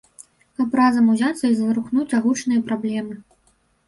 Каб разам узяцца і зварухнуць агучаныя праблемы.